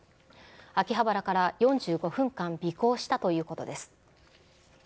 秋葉原から４５分間、尾行したということです。